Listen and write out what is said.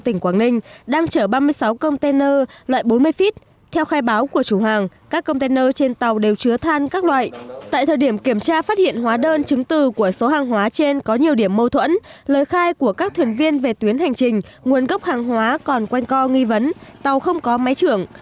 tại thời điểm kiểm tra phát hiện hóa đơn chứng từ của số hàng hóa trên có nhiều điểm mâu thuẫn lời khai của các thuyền viên về tuyến hành trình nguồn gốc hàng hóa còn quanh co nghi vấn tàu không có máy trưởng